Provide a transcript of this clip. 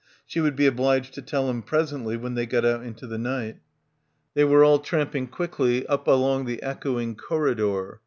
She would be obliged to tell him presently, when they got out into the night. They were all tramping quickly up along the echoing corridor.